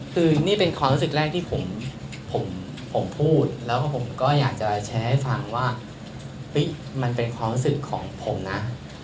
คือนี่เป็นความรู้สึกแรกที่ผมพูดแล้วผมก็อยากจะแชร์ให้ฟังว่ามันเป็นความรู้สึกของผมนะ